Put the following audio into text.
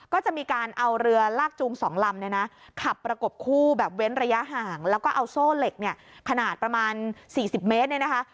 ก็จะมีการเอาเรือลากจูง๒ลำเนี่ยนะขับประกบคู่แบบเว้นระยะห่างแล้วก็เอาโซ่เหล็กเนี่ยขนาดประมาณ๔๐เมตรเนี่ยนะคะ